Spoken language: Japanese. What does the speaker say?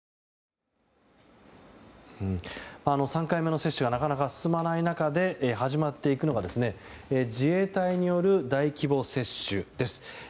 ３回目の接種がなかなか進まない中で始まっていくのが自衛隊による大規模接種です。